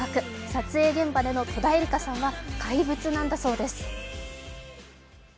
撮影現場での戸田恵梨香さんは怪物なんだそうです。